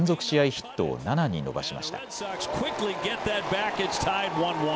ヒットを７に伸ばしました。